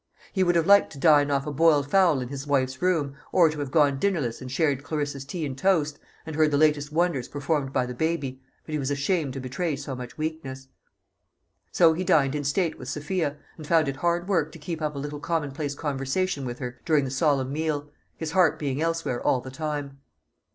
He would have liked to dine off a boiled fowl in his wife's room, or to have gone dinnerless and shared Clarissa's tea and toast, and heard the latest wonders performed by the baby, but he was ashamed to betray so much weakness. So he dined in state with Sophia, and found it hard work to keep up a little commonplace conversation with her during the solemn meal his heart being elsewhere all the time.